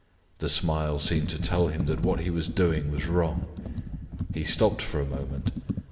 The smile seemed to tell him that what he was doing was wrong. He stopped for a moment.